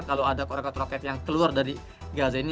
kalau ada warga warga terloket yang keluar dari gaza ini